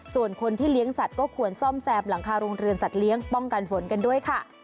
ส่วนคนที่เลี้ยงสัตว์ก็ควรซ่อมแซมหลังคาโรงเรือนสัตว์เลี้ยงป้องกันฝนกันด้วยค่ะ